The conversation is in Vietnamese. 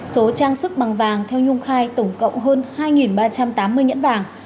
số trang sức bằng vàng theo nhung khai tổng cộng hơn hai ba trăm tám mươi nhẫn vàng